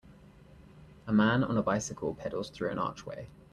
A man on a bicycle pedals through an archway.